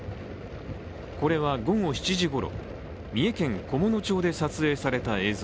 これは午後７時ごろ、三重県菰野町で撮影された映像。